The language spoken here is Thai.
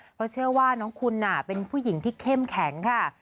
เพราะเชื่อว่าน้องคุณเป็นผู้หญิงที่เข้มแข็งค่ะ